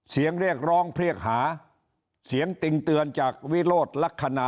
เสียงเรียกร้องเรียกหาเสียงติ่งเตือนจากวิโรธลักษณะ